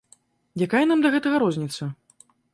Якая нам да гэтага розніца?